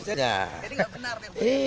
jadi nggak benar